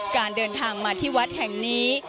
การเดินทางมาที่วัดแห่งนี้